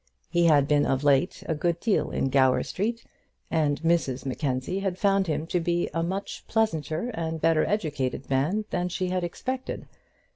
He had been of late a good deal in Gower Street, and Mrs Mackenzie had found him to be a much pleasanter and better educated man than she had expected.